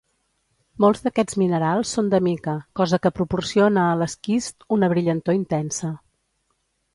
Molts d'aquests minerals són de mica, cosa que proporciona a l'esquist una brillantor intensa.